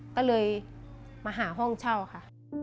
ก็เลยมาหาห้องเช่าค่ะ